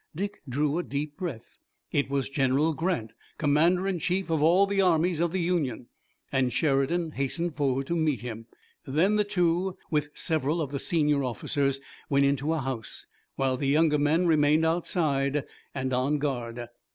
Dick drew a deep breath. It was General Grant, Commander in Chief of all the armies of the Union, and Sheridan hastened forward to meet him. Then the two, with several of the senior officers, went into a house, while the younger men remained outside, and on guard.